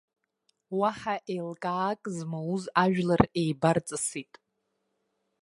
Уаҳа еилкаак змоуз ажәлар еибарҵысит.